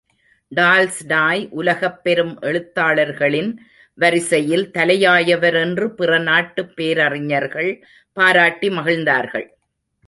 Tolstoy உலகப் பெரும் எழுத்தாளர்களின் வரிசையில் தலையாயவர் என்று பிற நாட்டுப் பேரறிஞர்கள் பாராட்டி மகிழ்ந்தார்கள்.